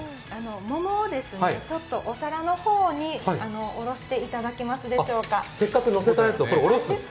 桃をお皿の方に下ろしていただけますでしょうか。